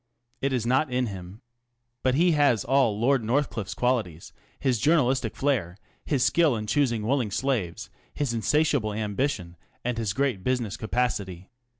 It is not in him. But he has all Lord North cliffe's qualities ŌĆö his journalistic flairt\ his skill in choosing willing slaves, his insatiable ambition, and his great business capacity.